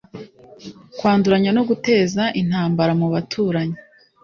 kwanduranya no guteza intambara mu baturanyi